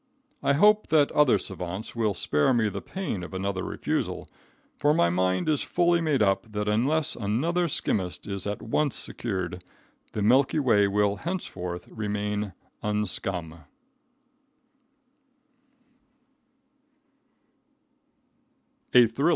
I hope that other savants will spare me the pain of another refusal, for my mind is fully made up that unless another skimmist is at once secured, the milky way will henceforth remain unskum.